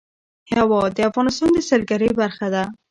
هوا د افغانستان د سیلګرۍ برخه ده.